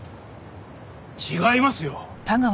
違いますよ！